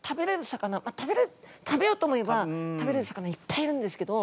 魚食べようと思えば食べれる魚いっぱいいるんですけど。